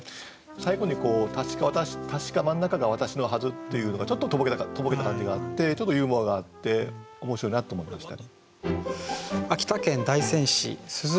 最後に「たしか真ん中が私のはず」というのがちょっととぼけた感じがあってちょっとユーモアがあって面白いなって思いました。